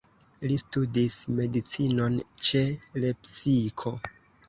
Li studis medicinon ĉe Lepsiko.